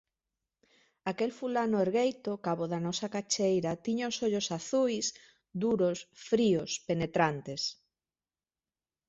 Aquel fulano ergueito cabo da nosa cacheira tiña os ollos azuis, duros, fríos, penetrantes.